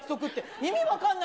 意味分かんない。